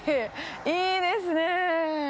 いいですね。